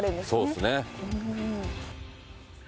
そうですね。